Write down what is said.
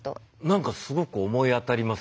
なんかすごく思い当たりますね。